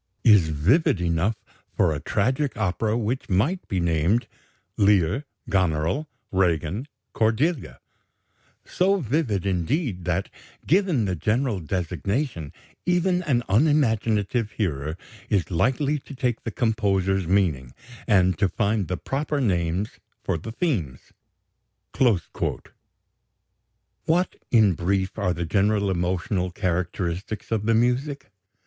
is vivid enough for a tragic opera which might be named 'Lear, Goneril, Regan, Cordelia'; so vivid, indeed, that, given the general designation, even an unimaginative hearer is likely to take the composer's meaning, and to find the proper names for the themes." What, in brief, are the general emotional characteristics of the music?